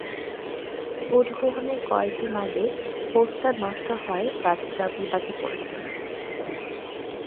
Vote গ্রহণের কয়েক দিন আগে পোস্টার নষ্ট হওয়ায় প্রার্থীরা বিপাকে পড়েছেন।